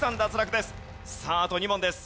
さああと２問です。